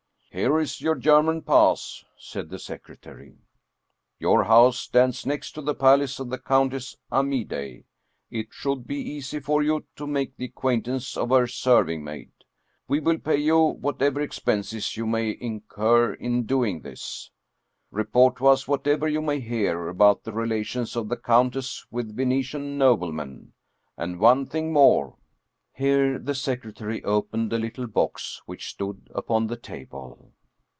" Here is your German pass," said the secretary. " Your house stands next the palace of the Countess Amidei. It should be easy for you to make the acquaint ance of her serving maid. We will pay you whatever ex penses you may incur in doing this. Report to us whatever you may hear about the relations of the countess with Venetian noblemen. And one thing more," here the sec retary opened a little box which stood upon the table.